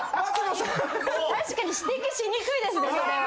確かに指摘しにくいですねそれは。